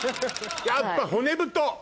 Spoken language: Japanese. やっぱ骨太！